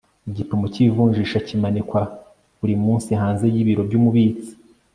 igipimo cy'ivunjisha kimanikwa buri munsi hanze y'ibiro by'umubitsi